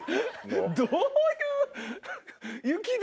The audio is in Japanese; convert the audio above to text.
どういう。